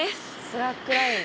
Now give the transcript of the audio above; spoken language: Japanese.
スラックライン？